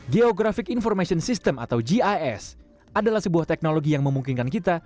geographic information system atau gis adalah sebuah teknologi yang memungkinkan kita